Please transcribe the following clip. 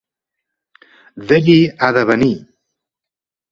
D'allí ha de venir.